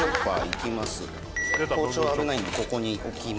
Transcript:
「包丁危ないんでここに置きます」